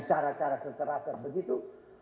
cara cara seterasa begitu